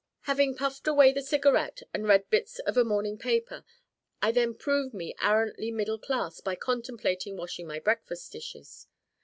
Having puffed away the cigarette and read bits of a morning paper I then prove me arrantly middle class by contemplating washing my breakfast dishes.